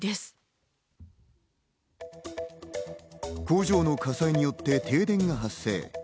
工場の火災によって停電が発生。